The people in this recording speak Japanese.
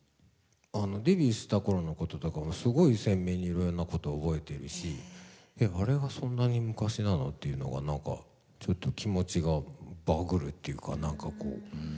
デビューした頃のこととかすごい鮮明にいろいろなことを覚えてるしあれがそんなに昔なの？っていうのがちょっと気持ちがバグるっていうか何かこう。